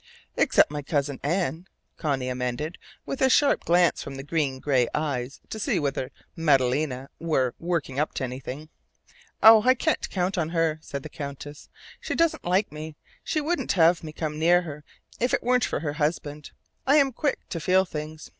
"Except my cousin Anne," Connie amended, with a sharp glance from the green gray eyes to see whether "Madalena" were "working up to anything." "Oh, I can't count her!" said the Countess. "She doesn't like me. She wouldn't have me come near her if it weren't for her husband. I am quick to feel things.